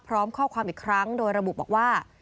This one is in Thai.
พร้อมข้อความอีกครั้งโดยระบุบอกว่า